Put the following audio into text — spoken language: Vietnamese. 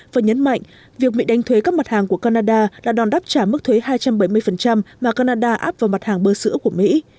và nhấn mạnh việc mỹ đánh thuế các mặt hàng của canada là đòn đáp trả mức thuế hai trăm bảy mươi mà canada áp vào mặt hàng bơ sữa của mỹ